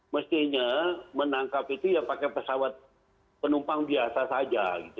mestinya menangkap itu ya pakai pesawat penumpang biasa saja gitu